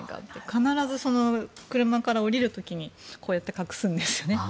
必ず車から降りる時にこうやって隠すんですよね。